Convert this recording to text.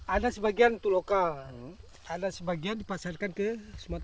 ada sebagian untuk lokal ada sebagian dipasarkan ke sumatera